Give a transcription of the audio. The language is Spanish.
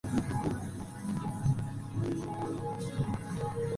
La trama generalmente utiliza convenciones comunes a las películas de terror.